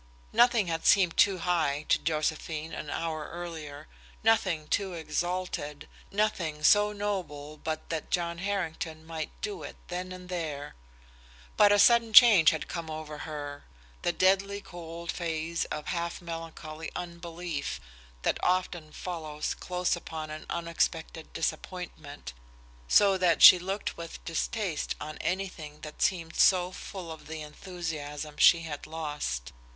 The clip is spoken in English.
Nothing had seemed too high to Josephine an hour earlier, nothing too exalted, nothing so noble but that John Harrington might do it, then and there. But a sudden change had come over her, the deadly cold phase of half melancholy unbelief that often follows close upon an unexpected disappointment, so that she looked with distaste on anything that seemed so full of the enthusiasm she had lost.